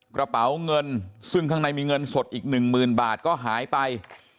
กระเป๋าเงินซึ่งในน่มีเงินสดอีก๑หมื่นบาทก็หายไป